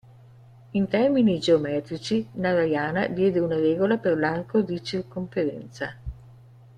In termini geometrici Narayana diede una regola per l'arco di circonferenza.